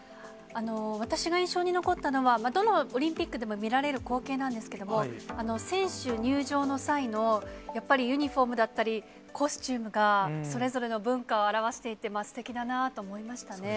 私が印象に残ったのは、どのオリンピックでも見られる光景なんですけども、選手入場の際の、やっぱりユニホームだったり、コスチュームが、それぞれの文化を表していて、すてきだなと思いましたね。